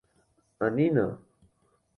¡Anína!